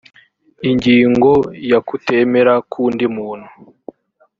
ingingo ya kutemera k undi muntu